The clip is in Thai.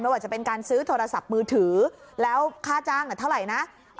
ว่าจะเป็นการซื้อโทรศัพท์มือถือแล้วค่าจ้างเท่าไหร่นะ